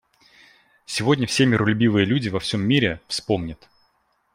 Сегодня все миролюбивые люди во всем мире вспомнят.